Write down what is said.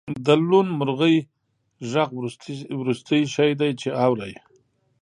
د لوون مرغۍ غږ وروستی شی دی چې اورئ